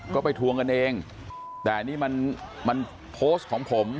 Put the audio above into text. ก็ไปทวงกันเองแต่นี่มันโพสต์ของผม